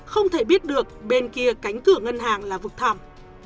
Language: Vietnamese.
không thể biết được bên kia cánh cửa ngân hàng là vực thảm